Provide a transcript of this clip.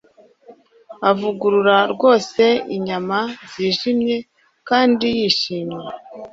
avugurura rwose inyama zijimye kandi yishimye